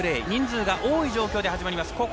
人数が多い状況で始まります。